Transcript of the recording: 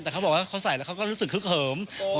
แต่เขาบอกว่าเขาใส่แล้วเขาก็รู้สึกคึกเหิม